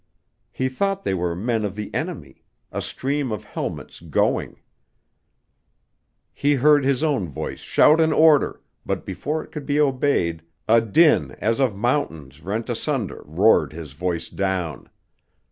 He thought they were men of the enemy; a stream of helmets going. He heard his own voice shout an order, but before it could be obeyed a din as of mountains rent asunder roared his voice down.